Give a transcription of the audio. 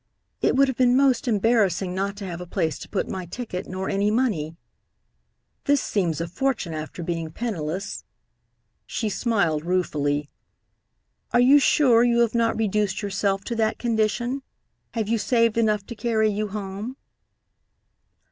"It would have been most embarrassing not to have a place to put my ticket, nor any money. This seems a fortune after being penniless" she smiled ruefully. "Are you sure you have not reduced yourself to that condition? Have you saved enough to carry you home?"